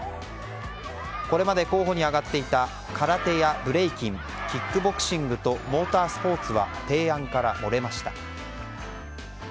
これまで候補に挙がっていた空手やブレイキンキックボクシングとモータースポーツは提案から漏れました。